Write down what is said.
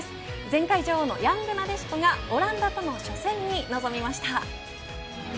前回女王のヤングなでしこがオランダとの初戦に臨みました。